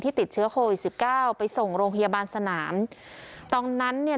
ติดเชื้อโควิดสิบเก้าไปส่งโรงพยาบาลสนามตอนนั้นเนี่ย